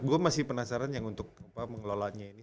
gua masih penasaran yang untuk apa mengelola ini